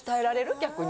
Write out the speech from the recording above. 逆に。